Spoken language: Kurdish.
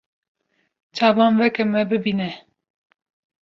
Çavan veke me bibîne